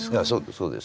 そうですよ。